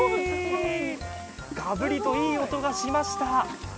ガブリといい音がしました。